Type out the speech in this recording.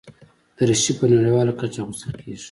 دریشي په نړیواله کچه اغوستل کېږي.